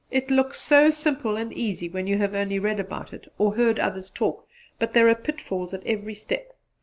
It looks so simple and easy when you have only read about it or heard others talk; but there are pitfalls at every step.